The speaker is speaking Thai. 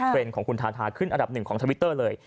ของคุณทาทาขึ้นอันดับหนึ่งของทวิตเตอร์เลย